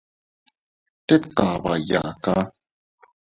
Tet kaba iyaaka.